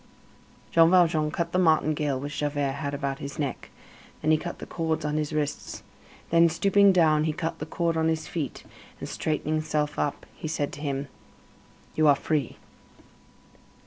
Jean Valjean cut the martingale which Javert had about his neck, then he cut the cords on his wrists, then, stooping down, he cut the cord on his feet; and, straightening himself up, he said to him: "You are free."